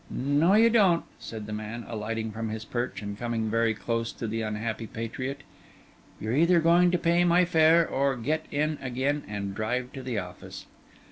'No, you don't,' said the man, alighting from his perch, and coming very close to the unhappy patriot. 'You're either going to pay my fare, or get in again and drive to the office.